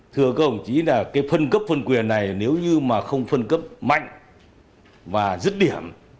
thưa các ông chí là cái phân cấp phân quyền này nếu như mà không phân cấp mạnh và dứt điểm